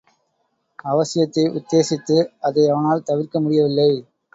அவசியத்தை உத்தேசித்து அதை அவனால் தவிர்க்க முடியவில்லை.